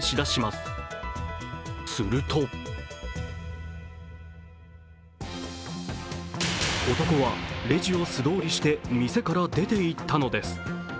すると男はレジを素通りして店から出ていったのです。